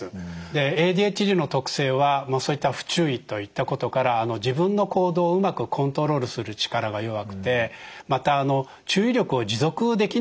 ＡＤＨＤの特性はそういった不注意といったことから自分の行動をうまくコントロールする力が弱くてまた注意力を持続できないんですね。